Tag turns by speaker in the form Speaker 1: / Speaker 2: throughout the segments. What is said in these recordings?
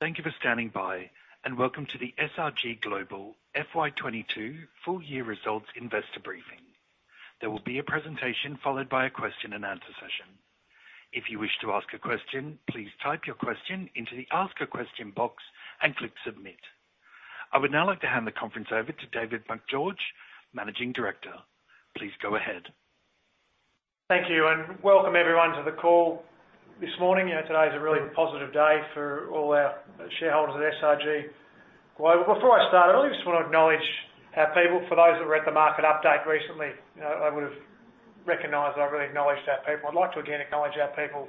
Speaker 1: Thank you for standing by, and welcome to the SRG Global FY 2022 full year results investor briefing. There will be a presentation followed by a question and answer session. If you wish to ask a question, please type your question into the Ask a Question box and click submit. I would now like to hand the conference over to David Macgeorge, Managing Director. Please go ahead.
Speaker 2: Thank you, and welcome everyone to the call this morning. You know, today is a really positive day for all our shareholders at SRG. Well, before I start, I really just wanna acknowledge our people. For those that were at the market update recently, you know, I really acknowledged our people. I'd like to again acknowledge our people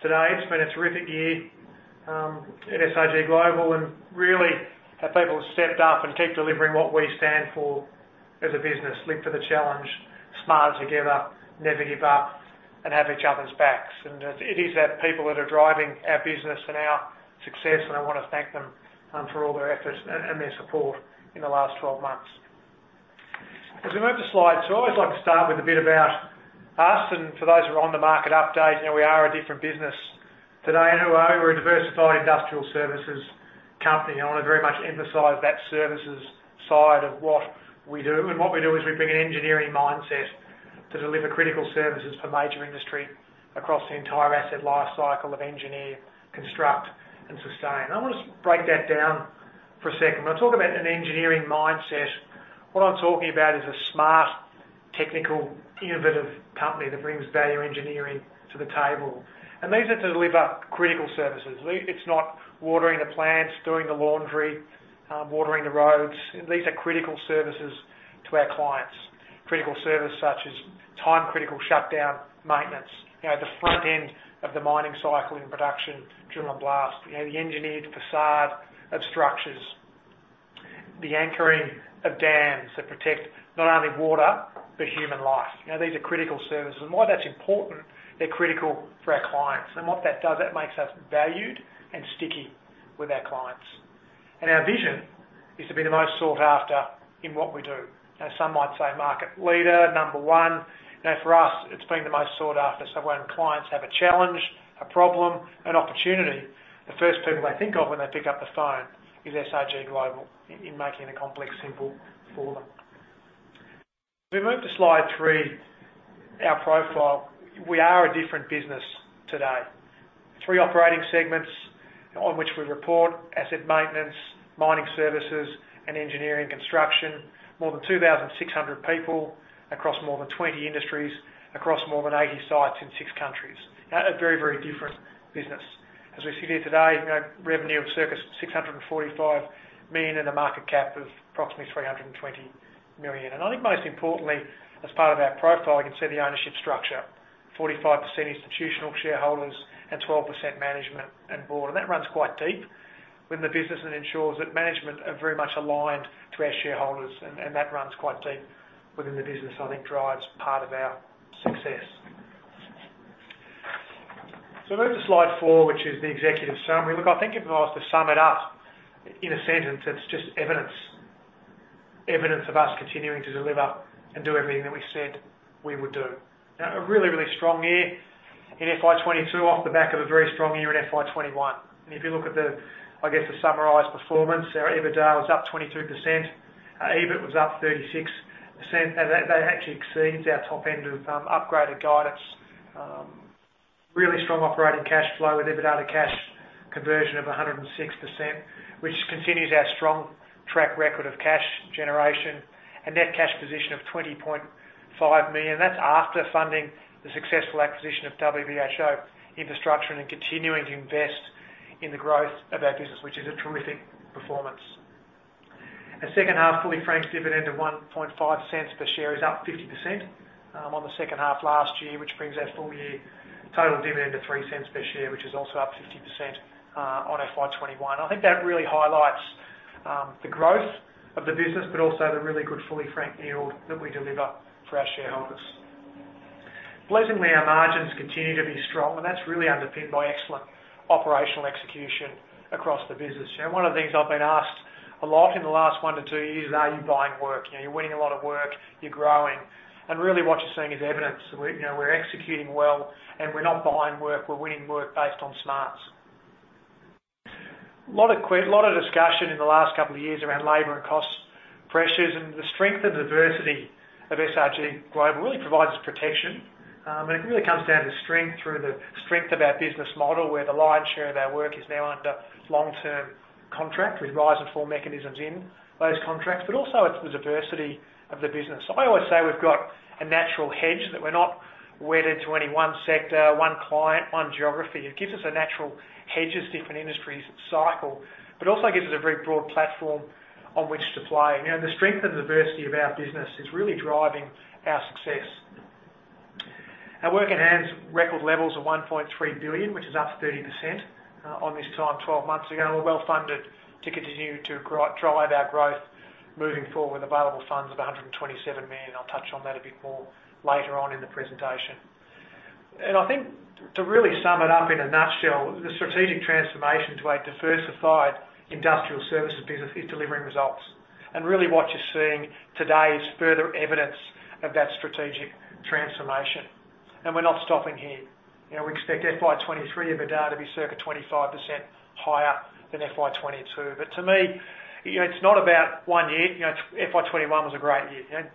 Speaker 2: today. It's been a terrific year at SRG Global, and really our people have stepped up and keep delivering what we stand for as a business. Live for the challenge, smarter together, never give up, and have each other's backs. It is our people that are driving our business and our success, and I wanna thank them for all their efforts and their support in the last 12 months. As we move to slides, I always like to start with a bit about us and for those who are on the market update, you know, we are a different business today. We're a diversified industrial services company. I wanna very much emphasize that services side of what we do. What we do is we bring an engineering mindset to deliver critical services for major industry across the entire asset lifecycle of engineer, construct, and sustain. I wanna just break that down for a second. When I talk about an engineering mindset, what I'm talking about is a smart, technical, innovative company that brings value engineering to the table. These are to deliver critical services. It's not watering the plants, doing the laundry, watering the roads. These are critical services to our clients. Critical service such as time critical shutdown, maintenance. You know, the front end of the mining cycle in production, drill and blast. You know, the engineered facade of structures. The anchoring of dams that protect not only water, but human life. You know, these are critical services. Why that's important, they're critical for our clients. What that does, that makes us valued and sticky with our clients. Our vision is to be the most sought after in what we do. Now, some might say market leader, number one. You know, for us, it's being the most sought after. When clients have a challenge, a problem, an opportunity, the first people they think of when they pick up the phone is SRG Global in making the complex simple for them. If we move to slide three, our profile. We are a different business today. Three operating segments on which we report: Asset Maintenance, Mining Services, and Engineering Construction. More than 2,600 people across more than 20 industries, across more than 80 sites in six countries. A very, very different business. As we sit here today, you know, revenue of circa 645 million and a market cap of approximately 320 million. I think most importantly, as part of our profile, you can see the ownership structure. 45% institutional shareholders and 12% management and board. That runs quite deep within the business and ensures that management are very much aligned to our shareholders and that runs quite deep within the business. I think that drives part of our success. Move to slide four, which is the executive summary. Look, I think if I was to sum it up in a sentence, it's just evidence. Evidence of us continuing to deliver and do everything that we said we would do. A really, really strong year in FY 2022 off the back of a very strong year in FY 2021. If you look at the, I guess, summarized performance, our EBITDA was up 22%. Our EBIT was up 36%. Now that actually exceeds our top end of upgraded guidance. Really strong operating cash flow with EBITDA to cash conversion of 106%, which continues our strong track record of cash generation and net cash position of 20.5 million. That's after funding the successful acquisition of WBHO Infrastructure and then continuing to invest in the growth of our business, which is a terrific performance. A second half fully franked dividend of 0.015 per share is up 50% on the second half last year, which brings our full year total dividend to 0.03 per share, which is also up 50% on FY 2021. I think that really highlights the growth of the business, but also the really good fully franked yield that we deliver for our shareholders. Pleasingly, our margins continue to be strong, and that's really underpinned by excellent operational execution across the business. You know, one of the things I've been asked a lot in the last 1-2 years is, "Are you buying work?" You know, you're winning a lot of work, you're growing. Really what you're seeing is evidence. You know, we're executing well and we're not buying work, we're winning work based on smarts. A lot of discussion in the last couple of years around labor and cost pressures and the strength and diversity of SRG Global really provides protection. It really comes down to strength through the strength of our business model, where the lion's share of our work is now under long-term contract with rise and fall mechanisms in those contracts, but also it's the diversity of the business. I always say we've got a natural hedge that we're not wedded to any one sector, one client, one geography. It gives us a natural hedge as different industries cycle, but also gives us a very broad platform on which to play. You know, the strength and diversity of our business is really driving our success. Our work in hand at record levels of 1.3 billion, which is up 30% at this time twelve months ago. We're well funded to continue to drive our growth moving forward with available funds of 127 million. I'll touch on that a bit more later on in the presentation. I think to really sum it up in a nutshell, the strategic transformation to a diversified industrial services business is delivering results. Really what you're seeing today is further evidence of that strategic transformation. We're not stopping here. You know, we expect FY 2023 EBITDA to be circa 25% higher than FY 2022. To me, you know, it's not about one year. You know, FY 2021 was a great year, and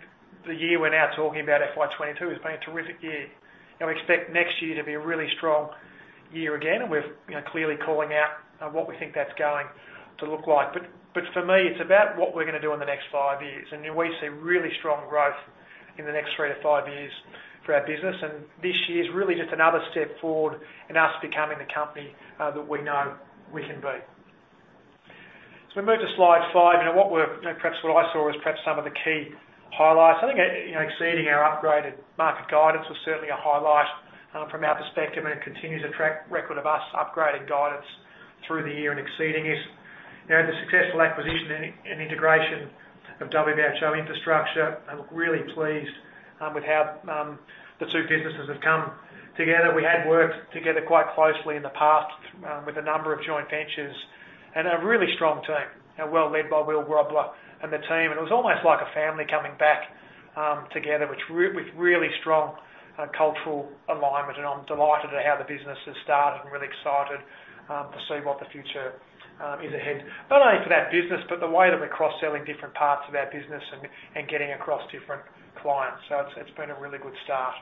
Speaker 2: the year we're now talking about, FY 2022, has been a terrific year. We expect next year to be a really strong year again, and we're, you know, clearly calling out what we think that's going to look like. For me, it's about what we're gonna do in the next five years, and we see really strong growth in the next three-five years for our business. This year is really just another step forward in us becoming the company that we know we can be. We move to slide five. Perhaps what I saw was perhaps some of the key highlights. I think, you know, exceeding our upgraded market guidance was certainly a highlight from our perspective, and it continues our track record of us upgrading guidance through the year and exceeding it. You know, the successful acquisition and integration of WBHO Infrastructure, I'm really pleased with how the two businesses have come together. We had worked together quite closely in the past with a number of joint ventures and a really strong team and well led by Will Rauber and the team. It was almost like a family coming back together with really strong cultural alignment. I'm delighted at how the business has started and really excited to see what the future is ahead, not only for that business, but the way that we're cross-selling different parts of our business and getting across different clients. It's been a really good start.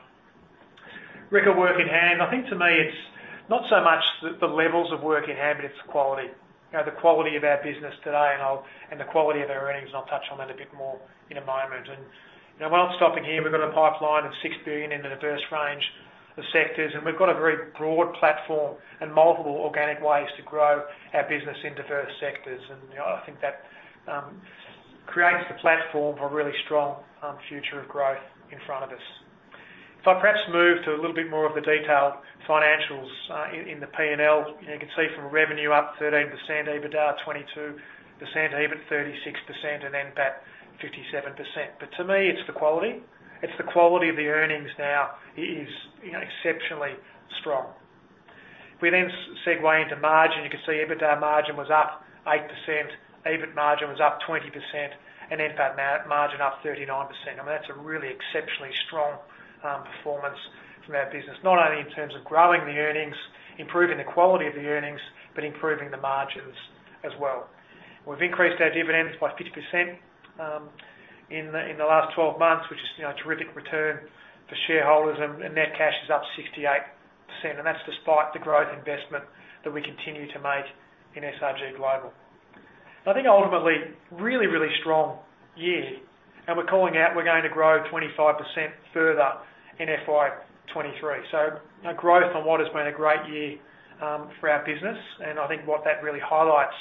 Speaker 2: Record work in hand. I think to me it's not so much the levels of work in hand, but it's the quality. You know, the quality of our business today and the quality of our earnings, and I'll touch on that a bit more in a moment. You know, we're not stopping here. We've got a pipeline of 6 billion in a diverse range of sectors, and we've got a very broad platform and multiple organic ways to grow our business in diverse sectors. You know, I think that creates the platform for a really strong future of growth in front of us. If I perhaps move to a little bit more of the detailed financials in the P&L. You can see from revenue up 13%, EBITDA 22%, EBIT 36%, and then PAT 57%. To me it's the quality. It's the quality of the earnings now is, you know, exceptionally strong. We then segue into margin. You can see EBITDA margin was up 8%, EBIT margin was up 20%, and PAT margin up 39%. I mean, that's a really exceptionally strong performance from our business, not only in terms of growing the earnings, improving the quality of the earnings, but improving the margins as well. We've increased our dividends by 50%, in the last 12 months, which is, you know, a terrific return for shareholders, and net cash is up 68%, and that's despite the growth investment that we continue to make in SRG Global. I think ultimately, really strong year, and we're calling out we're going to grow 25% further in FY 2023. Growth on what has been a great year, for our business, and I think what that really highlights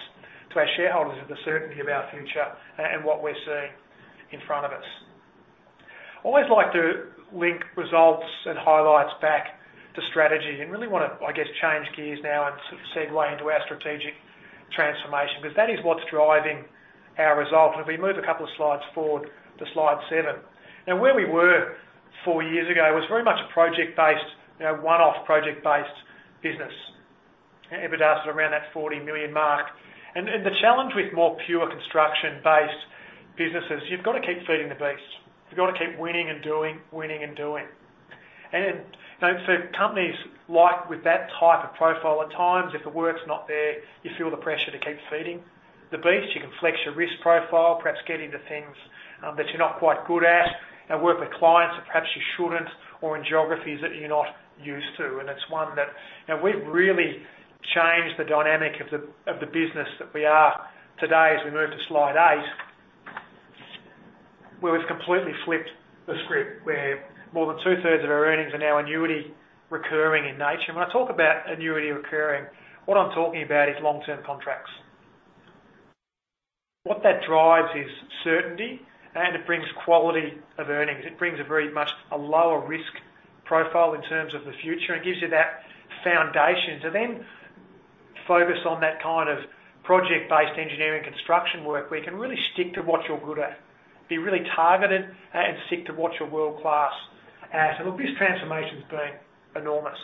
Speaker 2: to our shareholders is the certainty of our future and what we're seeing in front of us. always like to link results and highlights back to strategy and really wanna, I guess, change gears now and sort of segue into our strategic transformation, because that is what's driving our results. If we move a couple of slides forward to slide seven. Now, where we were four years ago was very much a project-based, you know, one-off project-based business. EBITDA was around 40 million. The challenge with more pure construction-based businesses, you've got to keep feeding the beast. You've got to keep winning and doing. You know, companies like with that type of profile, at times, if the work's not there, you feel the pressure to keep feeding the beast. You can flex your risk profile, perhaps get into things that you're not quite good at and work with clients that perhaps you shouldn't or in geographies that you're not used to. We've really changed the dynamic of the business that we are today as we move to slide eight, where we've completely flipped the script, where more than two-thirds of our earnings are now annuity recurring in nature. When I talk about annuity recurring, what I'm talking about is long-term contracts. What that drives is certainty, and it brings quality of earnings. It brings a very much lower risk profile in terms of the future and gives you that foundation to then focus on that kind of project-based engineering construction work, where you can really stick to what you're good at, be really targeted and stick to what you're world-class at. Look, this transformation's been enormous,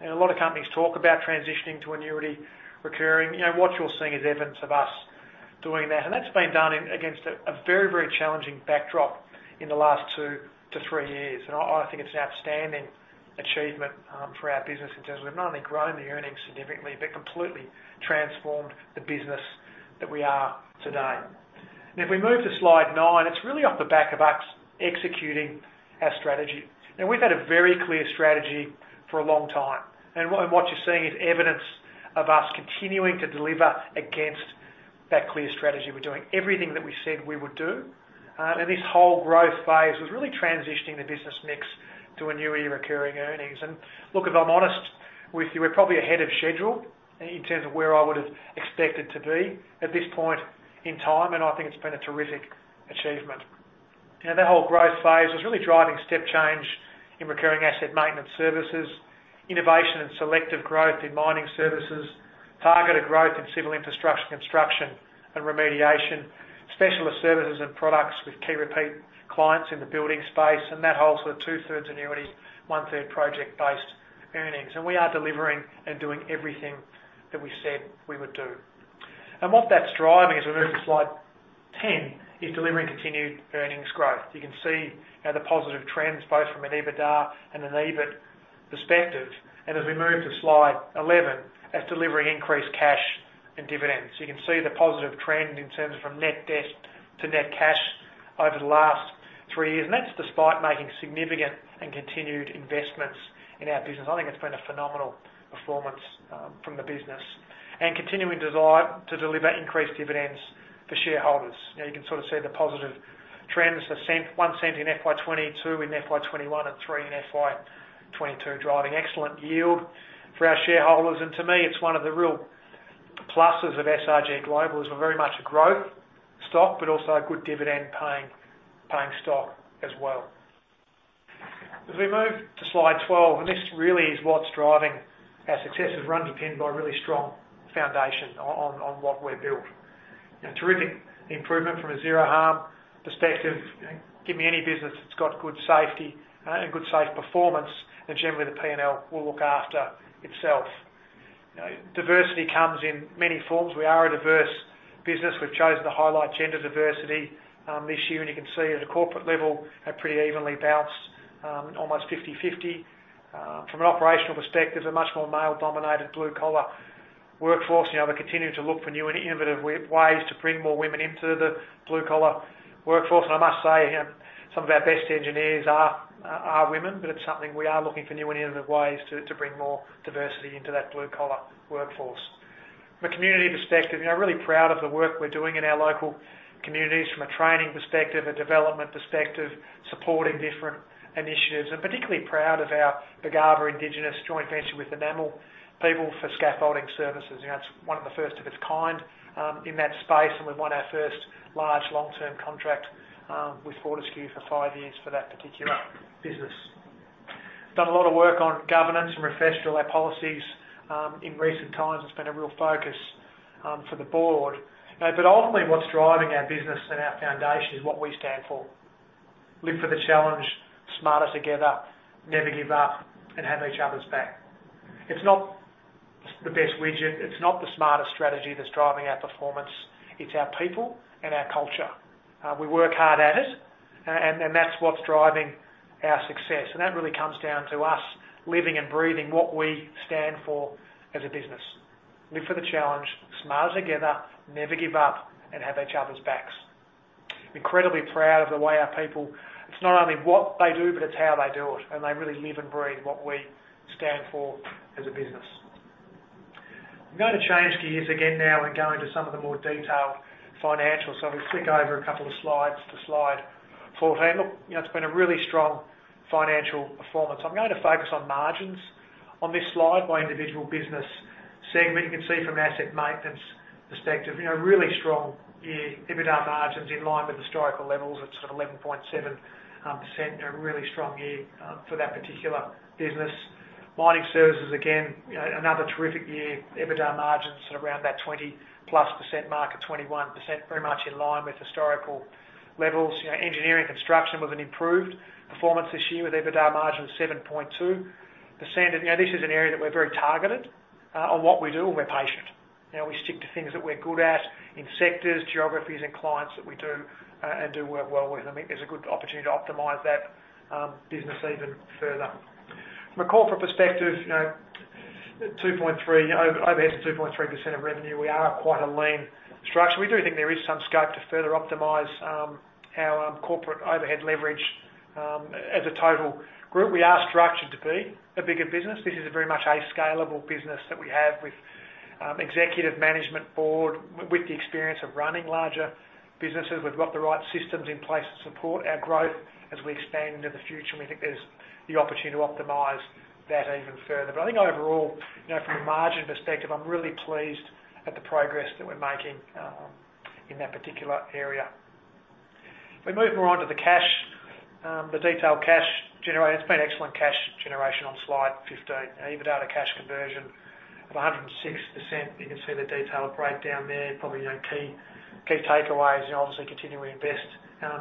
Speaker 2: and a lot of companies talk about transitioning to annuity recurring. You know, what you're seeing is evidence of us doing that, and that's been done against a very, very challenging backdrop in the last two-three years. I think it's an outstanding achievement for our business in terms of we've not only grown the earnings significantly, but completely transformed the business that we are today. If we move to slide 9, it's really off the back of us executing our strategy. Now, we've had a very clear strategy for a long time. What you're seeing is evidence of us continuing to deliver against that clear strategy. We're doing everything that we said we would do. This whole growth phase was really transitioning the business mix to annuity recurring earnings. Look, if I'm honest with you, we're probably ahead of schedule in terms of where I would've expected to be at this point in time, and I think it's been a terrific achievement. You know, that whole growth phase was really driving step change in recurring asset maintenance services, innovation and selective growth in mining services, targeted growth in civil infrastructure, construction and remediation, specialist services and products with key repeat clients in the building space, and that whole sort of two-thirds annuity, one-third project-based earnings. We are delivering and doing everything that we said we would do. What that's driving, as we move to slide 10, is delivering continued earnings growth. You can see, you know, the positive trends both from an EBITDA and an EBIT perspective. As we move to slide 11, that's delivering increased cash and dividends. You can see the positive trend in terms of from net debt to net cash over the last three years, and that's despite making significant and continued investments in our business. I think it's been a phenomenal performance from the business and continuing desire to deliver increased dividends for shareholders. You know, you can sort of see the positive trends. 0.01 in FY 2021 and 0.03 in FY 2022, driving excellent yield for our shareholders. To me, it's one of the real pluses of SRG Global is we're very much a growth stock, but also a good dividend paying stock as well. As we move to slide 12, this really is what's driving our success, is we're underpinned by a really strong foundation on what we're built. You know, terrific improvement from a zero-harm perspective. Give me any business that's got good safety and good safe performance, and generally the P&L will look after itself. You know, diversity comes in many forms. We are a diverse business. We've chosen to highlight gender diversity this year, and you can see at a corporate level, they're pretty evenly balanced, almost 50/50. From an operational perspective, a much more male-dominated blue-collar workforce. You know, we're continuing to look for new and innovative ways to bring more women into the blue-collar workforce. I must say, you know, some of our best engineers are women, but it's something we are looking for new and innovative ways to bring more diversity into that blue-collar workforce. From a community perspective, you know, really proud of the work we're doing in our local communities from a training perspective, a development perspective, supporting different initiatives, and particularly proud of our Bugarrba Indigenous joint venture with Njamal people for scaffolding services. You know, it's one of the first of its kind in that space, and we've won our first large long-term contract with Fortescue for 5 years for that particular business. Done a lot of work on governance and refreshed all our policies in recent times. It's been a real focus for the board. But ultimately, what's driving our business and our foundation is what we stand for. Live for the challenge, smarter together, never give up, and have each other's back. It's not the best widget, it's not the smartest strategy that's driving our performance. It's our people and our culture. We work hard at it and that's what's driving our success. That really comes down to us living and breathing what we stand for as a business. Live for the challenge, smarter together, never give up, and have each other's backs. Incredibly proud of the way our people. It's not only what they do, but it's how they do it, and they really live and breathe what we stand for as a business. I'm going to change gears again now and go into some of the more detailed financials. We flick over a couple of slides to slide fourteen. Look, you know, it's been a really strong financial performance. I'm going to focus on margins on this slide by individual business segment. You can see from an asset maintenance perspective, you know, really strong year. EBITDA margins in line with historical levels at sort of 11.7%. You know, a really strong year for that particular business. Mining services, again, you know, another terrific year. EBITDA margins at around that 20+% mark at 21%, very much in line with historical levels. You know, engineering construction with an improved performance this year with EBITDA margins 7.2%. You know, this is an area that we're very targeted on what we do and we're patient. You know, we stick to things that we're good at in sectors, geographies, and clients that we do and do work well with. I think there's a good opportunity to optimize that business even further. From a corporate perspective, you know, 2.3% overheads are 2.3% of revenue. We are quite a lean structure. We do think there is some scope to further optimize our corporate overhead leverage as a total group. We are structured to be a bigger business. This is very much a scalable business that we have with executive management board with the experience of running larger businesses. We've got the right systems in place to support our growth as we expand into the future, and we think there's the opportunity to optimize that even further. I think overall, you know, from a margin perspective, I'm really pleased at the progress that we're making in that particular area. If we move more on to the cash, the detailed cash generation. It's been excellent cash generation on slide 15. EBITDA to cash conversion of 106%. You can see the detailed breakdown there. Probably, you know, key takeaways. You know, obviously continue to invest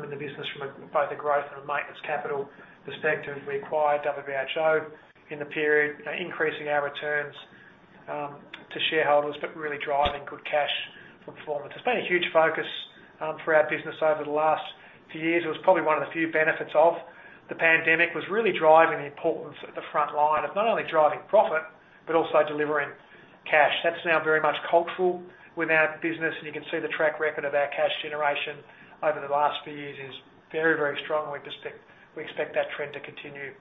Speaker 2: in the business from both a growth and a maintenance capital perspective. We acquired WBHO in the period, you know, increasing our returns to shareholders, but really driving good cash from performance. It's been a huge focus for our business over the last few years. It was probably one of the few benefits of the pandemic, was really driving the importance of the front line of not only driving profit, but also delivering cash. That's now very much cultural within our business, and you can see the track record of our cash generation over the last few years is very, very strong. We expect that trend to continue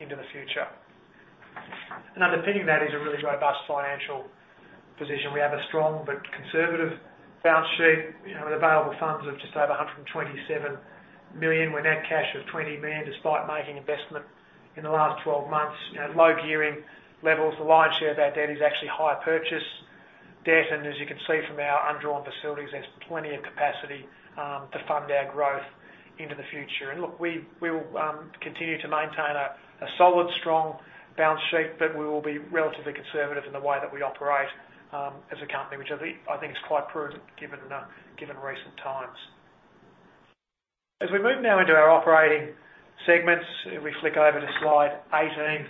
Speaker 2: into the future. Underpinning that is a really robust financial position. We have a strong but conservative balance sheet, you know, with available funds of just over 127 million, with net cash of 20 million, despite making investment in the last 12 months. You know, low gearing levels. The lion's share of our debt is actually hire purchase debt. As you can see from our undrawn facilities, there's plenty of capacity to fund our growth into the future. Look, we will continue to maintain a solid, strong balance sheet, but we will be relatively conservative in the way that we operate as a company, which I think is quite prudent given recent times. As we move now into our operating segments, if we flick over to slide 18.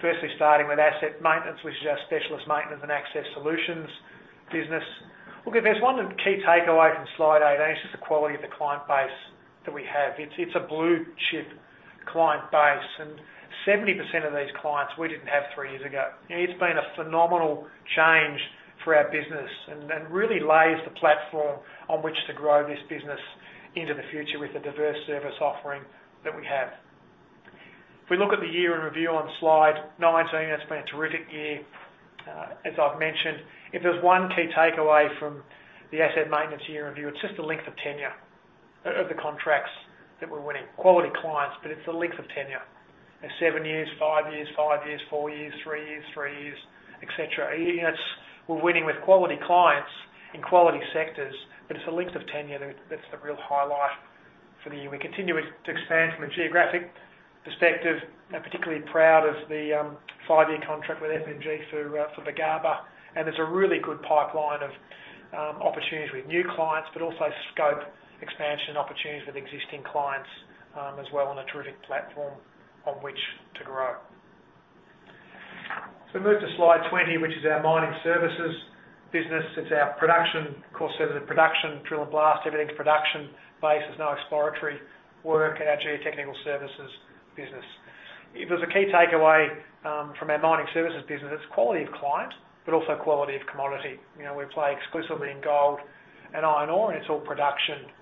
Speaker 2: Firstly, starting with asset maintenance, which is our specialist maintenance and access solutions business. Look, if there's one key takeaway from slide 18, it's just the quality of the client base that we have. It's a blue chip client base, and 70% of these clients we didn't have three years ago. You know, it's been a phenomenal change for our business and really lays the platform on which to grow this business into the future with the diverse service offering that we have. If we look at the year in review on slide 19, it's been a terrific year. As I've mentioned, if there's one key takeaway from the asset maintenance year in review, it's just the length of tenure of the contracts that we're winning. Quality clients, but it's the length of tenure. There's seven years, five years, five years, four years, three years, three years, et cetera. You know, we're winning with quality clients in quality sectors, but it's the length of tenure that's the real highlight for the year. We're continuing to expand from a geographic perspective. I'm particularly proud of the five-year contract with FMG for the Gabba, and there's a really good pipeline of opportunities with new clients, but also scope expansion opportunities with existing clients, as well on a terrific platform on which to grow. If we move to slide 20, which is our mining services business. It's our production, core set of production, drill and blast, everything's production base. There's no exploratory work in our geotechnical services business. If there's a key takeaway from our mining services business, it's quality of client, but also quality of commodity. You know, we play exclusively in gold and iron ore, and it's all production-based. If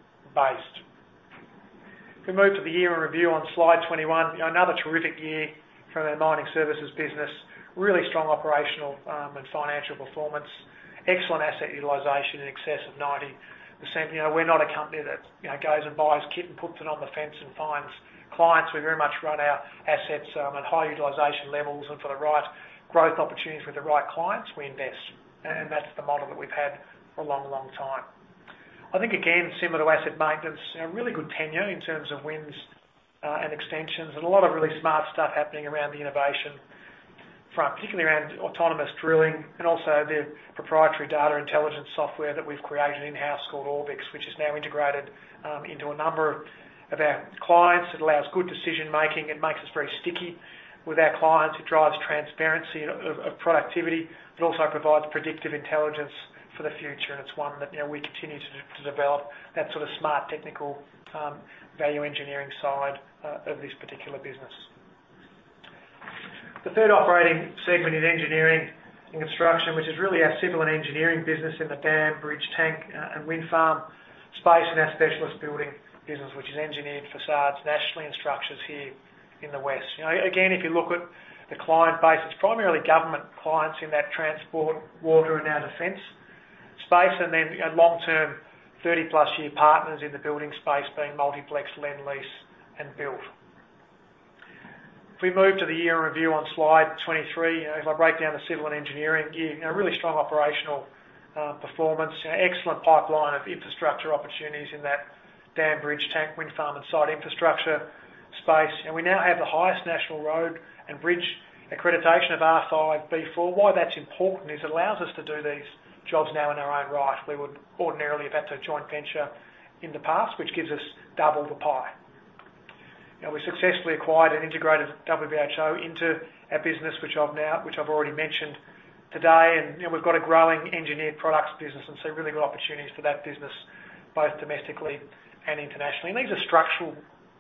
Speaker 2: we move to the year in review on slide 21. You know, another terrific year from our mining services business. Really strong operational and financial performance. Excellent asset utilization in excess of 90%. You know, we're not a company that, you know, goes and buys kit and puts it on the fence and finds clients. We very much run our assets at high utilization levels, and for the right growth opportunities with the right clients, we invest. That's the model that we've had for a long, long time. I think again, similar to asset maintenance, you know, really good tenure in terms of wins, and extensions, and a lot of really smart stuff happening around the innovation front, particularly around autonomous drilling and also the proprietary data intelligence software that we've created in-house called Orbix, which is now integrated into a number of our clients. It allows good decision-making. It makes us very sticky with our clients. It drives transparency of productivity. It also provides predictive intelligence for the future, and it's one that, you know, we continue to develop. That sort of smart technical value engineering side of this particular business. The third operating segment in Engineering and Construction, which is really our civil and engineering business in the dam, bridge, tank, and wind farm space in our specialist building business, which is engineered facades nationally and structures here in the west. You know, again, if you look at the client base, it's primarily government clients in that transport, water and our defense space. You know, long-term, 30-plus-year partners in the building space being Multiplex, Lendlease and Built. If we move to the year in review on slide 23. You know, if I break down the civil and engineering year, you know, really strong operational performance. You know, excellent pipeline of infrastructure opportunities in that dam, bridge, tank, wind farm and site infrastructure space. We now have the highest national road and bridge accreditation of R5/B4. Why that's important is it allows us to do these jobs now in our own right. We would ordinarily have had to joint venture in the past, which gives us double the pie. You know, we successfully acquired and integrated WBHO into our business, which I've already mentioned today. You know, we've got a growing engineered products business and see really good opportunities for that business, both domestically and internationally. These are structural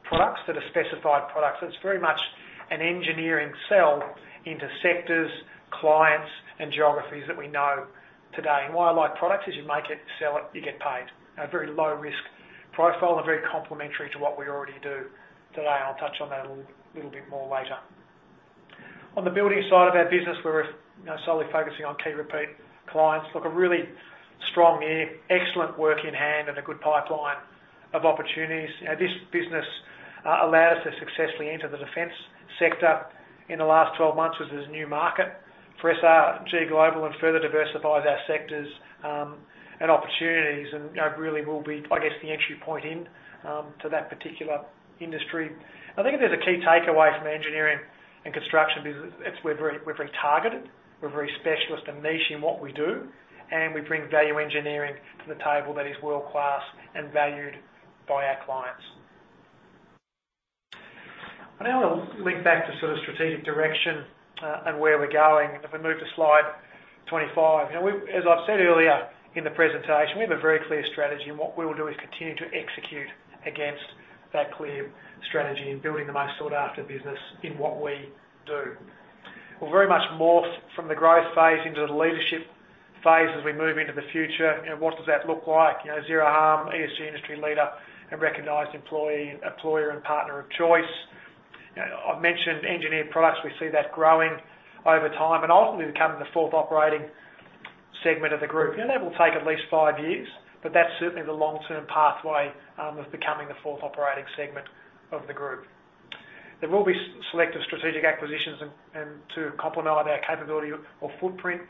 Speaker 2: products that are specified products. It's very much an engineering sell into sectors, clients and geographies that we know today. Why I like products is you make it, sell it, you get paid. A very low risk profile and very complementary to what we already do today. I'll touch on that a little bit more later. On the building side of our business, we're, you know, solely focusing on key repeat clients. Look, a really strong year. Excellent work in hand and a good pipeline of opportunities. You know, this business allowed us to successfully enter the defense sector in the last 12 months, which is a new market for SRG Global and further diversifies our sectors and opportunities and, you know, really will be, I guess, the entry point in to that particular industry. I think if there's a key takeaway from Engineering and Construction business, it's we're very targeted, we're very specialist and niche in what we do, and we bring value engineering to the table that is world-class and valued by our clients. I now want to link back to sort of strategic direction and where we're going. If we move to slide 25. You know, as I've said earlier in the presentation, we have a very clear strategy, and what we will do is continue to execute against that clear strategy in building the most sought-after business in what we do. We'll very much morph from the growth phase into the leadership phase as we move into the future. You know, what does that look like? You know, zero harm, ESG industry leader and recognized employee, employer and partner of choice. You know, I've mentioned engineered products. We see that growing over time, and ultimately becoming the fourth operating segment of the group. You know, that will take at least five years, but that's certainly the long-term pathway of becoming the fourth operating segment of the group. There will be selective strategic acquisitions and to complement our capability or footprint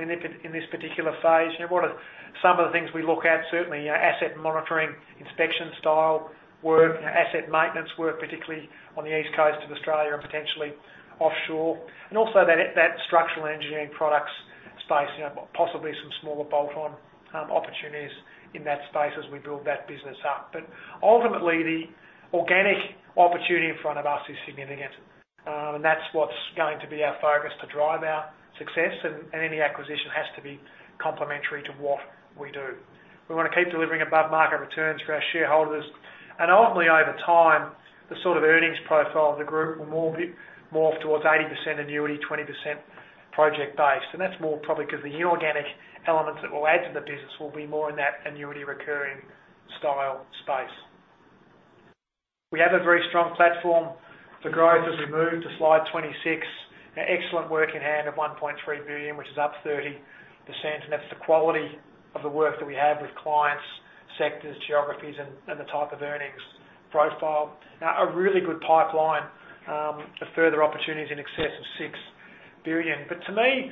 Speaker 2: in this particular phase. You know, what are some of the things we look at? Certainly, you know, asset monitoring, inspection style work, you know, asset maintenance work, particularly on the east coast of Australia and potentially offshore. That structural engineering products space, you know, possibly some smaller bolt-on opportunities in that space as we build that business up. Ultimately, the organic opportunity in front of us is significant. That's what's going to be our focus to drive our success, and any acquisition has to be complementary to what we do. We wanna keep delivering above-market returns for our shareholders, and ultimately, over time, the sort of earnings profile of the group will more be towards 80% annuity, 20% project-based. That's more probably 'cause the inorganic elements that will add to the business will be more in that annuity recurring style space. We have a very strong platform for growth as we move to slide 26. An excellent work in hand of 1.3 billion, which is up 30%. That's the quality of the work that we have with clients, sectors, geographies, and the type of earnings profile. Now, a really good pipeline of further opportunities in excess of 6 billion. To me,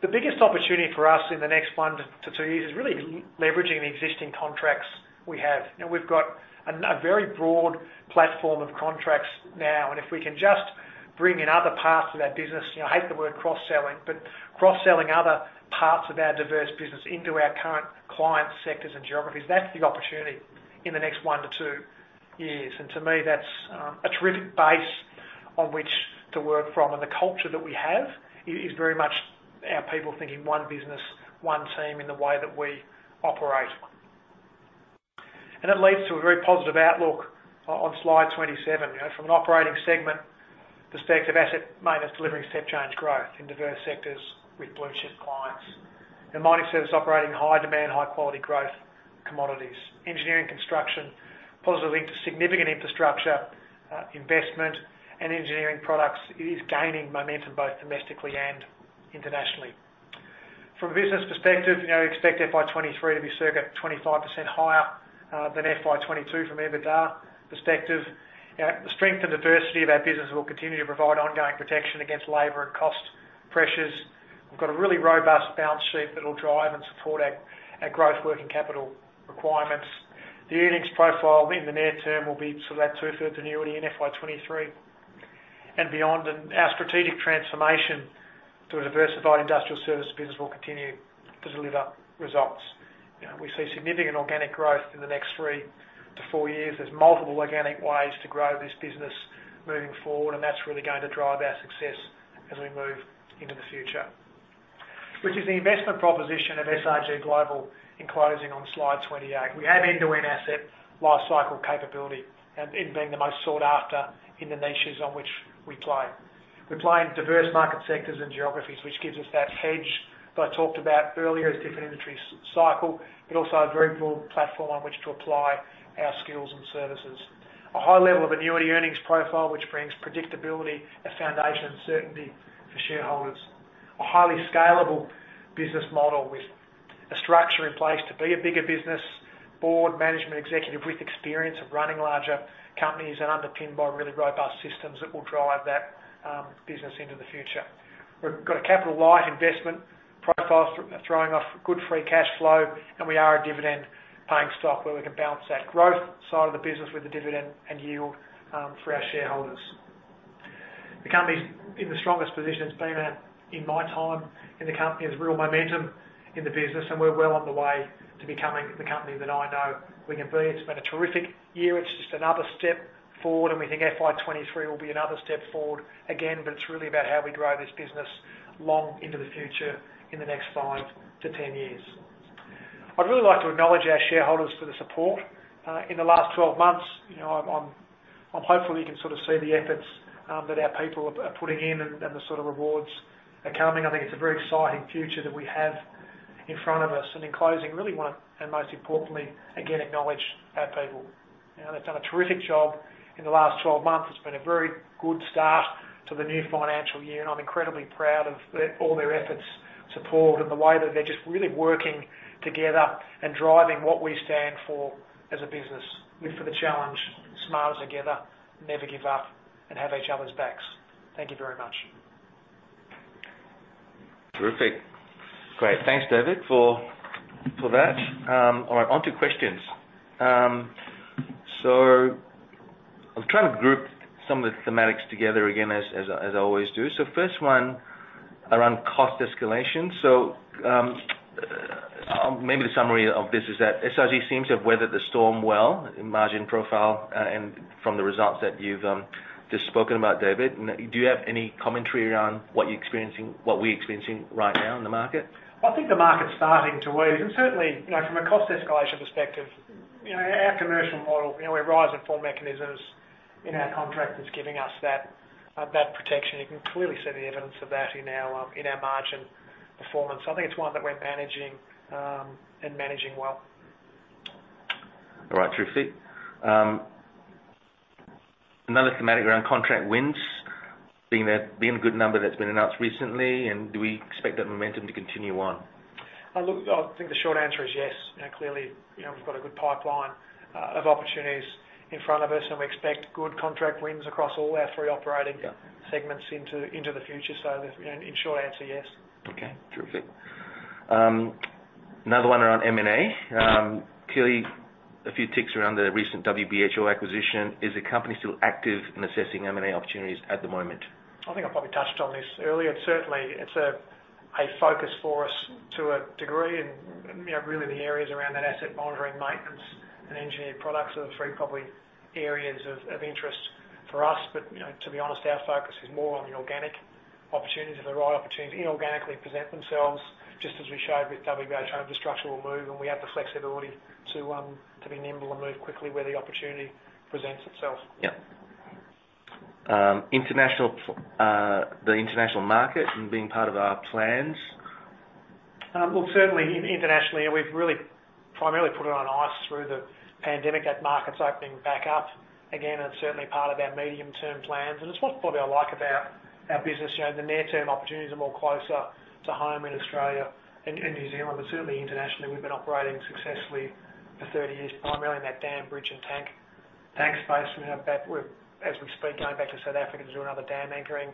Speaker 2: the biggest opportunity for us in the next one-two years is really leveraging the existing contracts we have. You know, we've got a very broad platform of contracts now, and if we can just bring in other parts of our business, you know, I hate the word cross-selling, but cross-selling other parts of our diverse business into our current client sectors and geographies, that's the opportunity in the next one-two years. To me, that's a terrific base on which to work from. The culture that we have is very much our people thinking one business, one team in the way that we operate. It leads to a very positive outlook on slide 27. You know, from an operating segment perspective, asset maintenance, delivering step change growth in diverse sectors with blue-chip clients. Mining Services operating high demand, high quality growth commodities. Engineering and Construction positively to significant infrastructure investment and engineering products is gaining momentum both domestically and internationally. From a business perspective, you know, expect FY 2023 to be circa 25% higher than FY 2022 from EBITDA perspective. You know, the strength and diversity of our business will continue to provide ongoing protection against labor and cost pressures. We've got a really robust balance sheet that'll drive and support our growth working capital requirements. The earnings profile in the near term will be sort of that two-thirds annuity in FY 2023 and beyond. Our strategic transformation to a diversified industrial service business will continue to deliver results. You know, we see significant organic growth in the next three-four years. There's multiple organic ways to grow this business moving forward, and that's really going to drive our success as we move into the future, which is the investment proposition of SRG Global in closing on slide 28. We have end-to-end asset lifecycle capability and in being the most sought after in the niches on which we play. We play in diverse market sectors and geographies, which gives us that hedge that I talked about earlier as different industries cycle, but also a very broad platform on which to apply our skills and services. A high level of annuity earnings profile, which brings predictability, a foundation, and certainty for shareholders. A highly scalable business model with a structure in place to be a bigger business. Board, management, executive with experience of running larger companies and underpinned by really robust systems that will drive that business into the future. We've got a capital light investment profile throwing off good free cash flow, and we are a dividend paying stock where we can balance that growth side of the business with the dividend and yield for our shareholders. The company's in the strongest position it's been at in my time in the company. There's real momentum in the business, and we're well on the way to becoming the company that I know we can be. It's been a terrific year. It's just another step forward, and we think FY 2023 will be another step forward again, but it's really about how we grow this business long into the future in the next five to 10 years. I'd really like to acknowledge our shareholders for the support in the last 12 months. You know, I'm hopeful you can sort of see the efforts that our people are putting in and the sort of rewards are coming. I think it's a very exciting future that we have in front of us. In closing, really want and most importantly, again, acknowledge our people. You know, they've done a terrific job in the last 12 months. It's been a very good start to the new financial year, and I'm incredibly proud of all their efforts, support, and the way that they're just really working together and driving what we stand for as a business with For The Challenge, smarter together, never give up, and have each other's backs. Thank you very much.
Speaker 3: Terrific. Great. Thanks, David, for that. All right, on to questions. I'm trying to group some of the thematics together again, as I always do. First one around cost escalation. Maybe the summary of this is that SRG seems to have weathered the storm well in margin profile and from the results that you've just spoken about, David. Do you have any commentary around what you're experiencing, what we're experiencing right now in the market?
Speaker 2: I think the market's starting to ease and certainly, you know, from a cost escalation perspective, you know, our commercial model, you know, our rise and fall mechanisms in our contract is giving us that protection. You can clearly see the evidence of that in our margin performance. I think it's one that we're managing, and managing well.
Speaker 3: All right. Terrific. Another thematic around contract wins, being there been a good number that's been announced recently, and do we expect that momentum to continue on?
Speaker 2: Look, I think the short answer is yes. You know, clearly, you know, we've got a good pipeline of opportunities in front of us, and we expect good contract wins across all our three operating-
Speaker 3: Yeah.
Speaker 2: segments into the future. You know, in short answer, yes.
Speaker 3: Okay. Terrific. Another one around M&A. Clearly a few ticks around the recent WBHO acquisition. Is the company still active in assessing M&A opportunities at the moment?
Speaker 2: I think I probably touched on this earlier. Certainly, it's a focus for us to a degree, and you know, really the areas around that asset monitoring maintenance and engineered products are the three probably areas of interest for us. You know, to be honest, our focus is more on the organic opportunities. If the right opportunities inorganically present themselves, just as we showed with WBHO, I mean, the structural move, and we have the flexibility to be nimble and move quickly where the opportunity presents itself.
Speaker 3: Yep. International, the international market and being part of our plans.
Speaker 2: Well, certainly internationally, we've really primarily put it on ice through the pandemic. That market's opening back up again and certainly part of our medium-term plans. It's what probably I like about our business. You know, the near-term opportunities are more closer to home in Australia and New Zealand. Certainly internationally, we've been operating successfully for 30 years, primarily in that dam, bridge, and tank space. We have that with, as we speak, going back to South Africa to do another dam anchoring.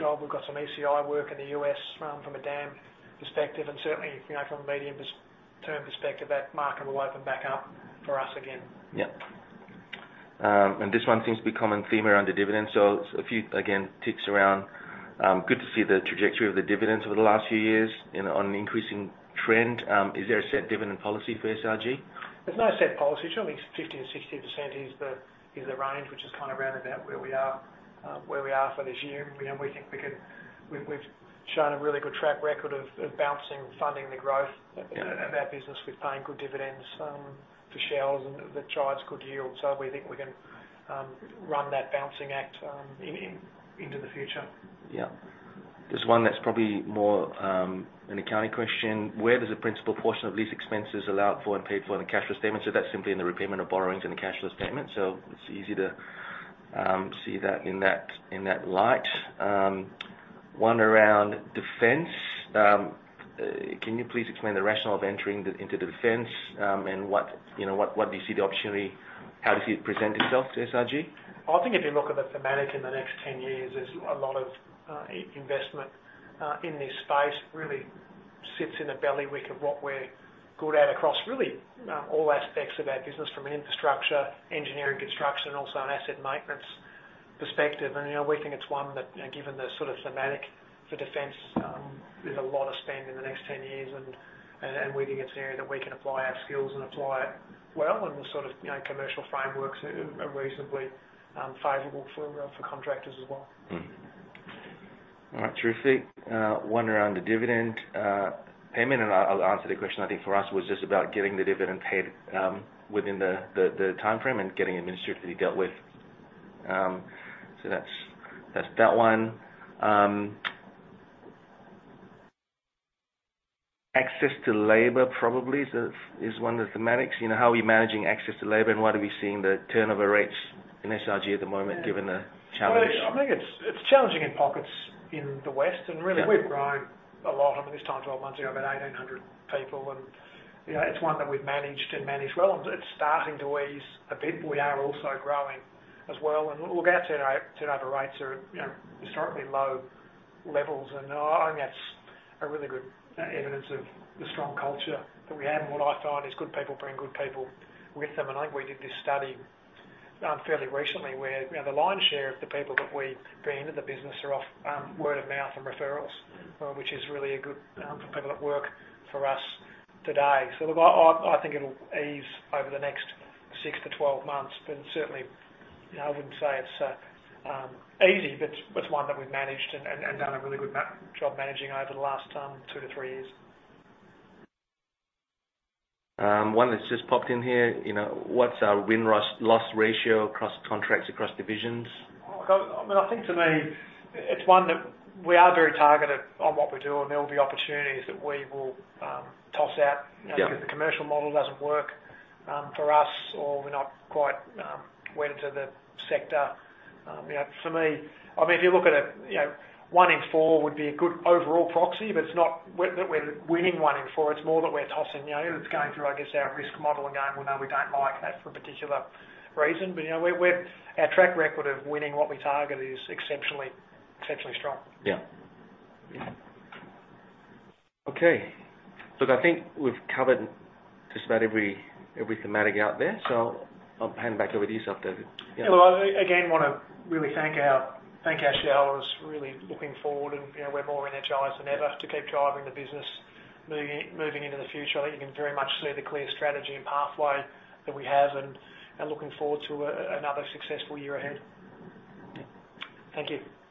Speaker 3: Yep.
Speaker 2: We've got some ECI work in the U.S., from a dam perspective. Certainly, you know, from a medium-term perspective, that market will open back up for us again.
Speaker 3: Yep. This one seems to be a common theme around the dividends. A few, again, ticks around good to see the trajectory of the dividends over the last few years in an increasing trend. Is there a set dividend policy for SRG?
Speaker 2: There's no set policy. Certainly 50%-60% is the range which is kinda rounded out where we are for this year. You know, we've shown a really good track record of balancing funding the growth of our business with paying good dividends for shareholders and that drives good yield. We think we can run that balancing act into the future.
Speaker 3: Yeah. There's one that's probably more, an accounting question. Where does the principal portion of lease expenses allowed for and paid for in the cash flow statement? That's simply in the repayment of borrowings in the cash flow statement. It's easy to see that in that light. One around defense. Can you please explain the rationale of entering into defense, and what, you know, what do you see the opportunity? How does it present itself to SRG?
Speaker 2: I think if you look at the thematic in the next 10 years, there's a lot of investment in this space. Really sits in the bailiwick of what we're good at across really all aspects of our business from an infrastructure, engineering, construction, and also an asset maintenance perspective. You know, we think it's one that, you know, given the sort of thematic for defense, there's a lot of spend in the next 10 years and we think it's an area that we can apply our skills and apply it well and the sort of, you know, commercial frameworks are reasonably favorable for contractors as well.
Speaker 3: All right. Terrific. One around the dividend payment, and I'll answer the question. I think for us it was just about getting the dividend paid within the timeframe and getting administration dealt with. So that's that one. Access to labor probably is one of the thematics. You know, how are we managing access to labor, and why are we seeing the turnover rates in SRG at the moment given the challenge?
Speaker 2: Well, I think it's challenging in pockets in the West. Really, we've grown a lot. I mean, this time 12 months ago, about 1,800 people and, you know, it's one that we've managed well. It's starting to ease a bit, but we are also growing as well. Look, our turnover rates are, you know, historically low levels. I think that's a really good evidence of the strong culture that we have. What I find is good people bring good people with them. I think we did this study fairly recently where, you know, the lion's share of the people that we bring into the business are off word of mouth and referrals.
Speaker 3: Mm-hmm.
Speaker 2: which is really a good for people that work for us today. Look, I think it'll ease over the next 6-12 months, but certainly, you know, I wouldn't say it's easy. It's one that we've managed and done a really good job managing over the last two-three years.
Speaker 3: One that's just popped in here, you know, what's our win-loss ratio across contracts, across divisions?
Speaker 2: Oh, look, I mean, I think for me it's one that we are very targeted on what we do and there'll be opportunities that we will toss out.
Speaker 3: Yeah.
Speaker 2: You know, if the commercial model doesn't work for us or we're not quite wedded to the sector, you know, for me, I mean, if you look at it, you know, one in four would be a good overall proxy, but it's not that we're winning one in four. It's more that we're targeting, you know, it's going through, I guess, our risk model. Again, we know we don't like that for a particular reason. You know, our track record of winning what we target is exceptionally strong.
Speaker 3: Yeah. Yeah. Okay. Look, I think we've covered just about every thematic out there, so I'll hand back over to you, David Macgeorge. Yeah.
Speaker 2: Well, I again wanna really thank our shareholders. Really looking forward and, you know, we're more energized than ever to keep driving the business moving into the future. I think you can very much see the clear strategy and pathway that we have and looking forward to another successful year ahead. Thank you.